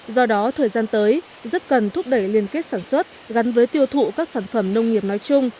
do đó thời gian tới rất cần thúc đẩy liên kết sản xuất gắn với tiêu thụ các sản phẩm nông nghiệp nói chung